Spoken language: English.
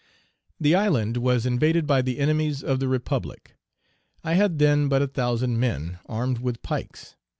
The island was invaded by the enemies of the Republic; I had then but a thousand men, armed with pikes.